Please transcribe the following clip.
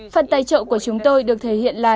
phần tài trợ của chúng tôi được thể hiện là